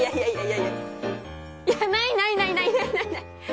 いやないないない。